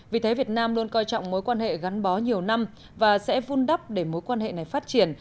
vì thế việt nam luôn coi trọng mối quan hệ gắn bó nhiều năm và sẽ vun đắp để mối quan hệ này phát triển